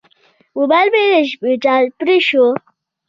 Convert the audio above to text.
موبایل مې د شپې چارج پرې شو.